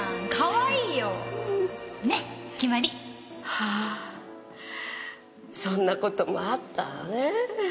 はあそんな事もあったわねぇ。